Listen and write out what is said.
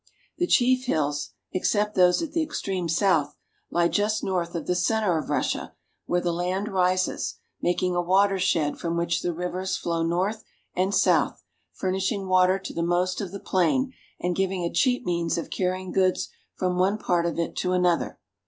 The chief hills, except those at the extreme south, lie just north of the center of Russia, where the land rises, making a watershed from which the rivers flow north and south, furnishing water to the most of the plain, and giving a cheap means of carrying goods from one part of it to another.